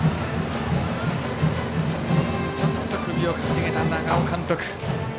ちょっと首を傾げた長尾監督。